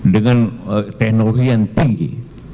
dengan teknologi yang tinggi